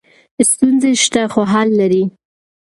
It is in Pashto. ستونزې شته خو حل لري.